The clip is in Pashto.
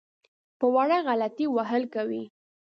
په وړه غلطۍ وهل کوي.